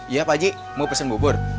iya pak haji mau pesen bubur